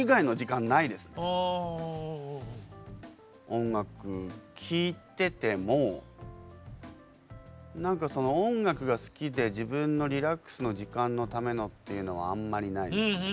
音楽聴いてても何かその音楽が好きで自分のリラックスの時間のためのっていうのはあんまりないですね。